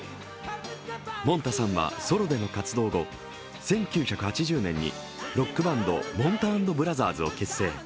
もんたさんはソロでの活動後、１９８０年にロックバンド、もんた＆ブラザーズを結成。